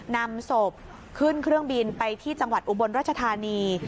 นำศพขึ้นเครื่องบินไปที่จังหวัดอุบลรัชธานี